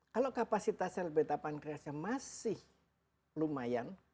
kalau kapasitas sebetapan kreasnya masih lumayan